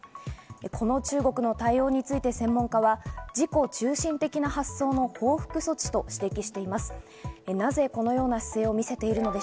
この中国の対応について専門家は、自己中心的な発想の報復措置として指摘しています。